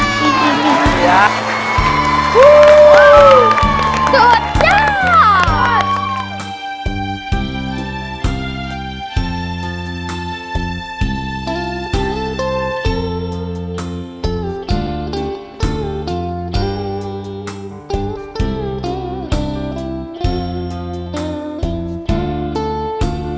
ลูกสัตว์ธรรมดิกัน